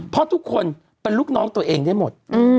เพราะทุกคนเป็นลูกน้องตัวเองได้หมด